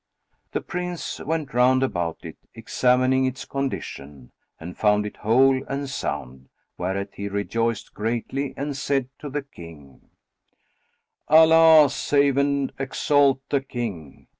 The Prince went round about it, examining its condition, and found it whole and sound, whereat he rejoiced greatly and said to the King, "Allah save and exalt the King!